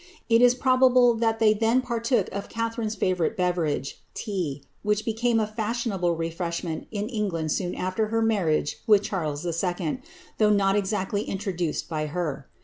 It is prolrable that they then partook of Catharine^s favonriie beverage, tea, which became a fashionable refreshment in England sooo after her marriage with Charles 11., though not exactly introduced by her.'